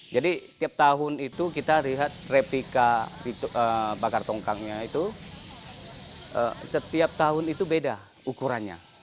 jadi tiap tahun itu kita lihat replika bakar tongkangnya itu setiap tahun itu beda ukurannya